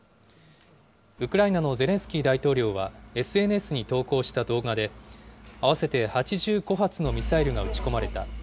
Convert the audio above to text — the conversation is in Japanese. ウクライナのゼレンスキー大統領はＳＮＳに投稿した動画で、合わせて８５発のミサイルが撃ち込まれた。